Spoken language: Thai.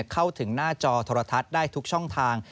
เข้าถึงหน้าจอโทรทัศน์ได้ทุกช่องทาง